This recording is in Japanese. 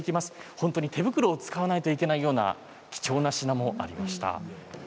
本当に手袋を使わなければいけないような貴重な品もありました。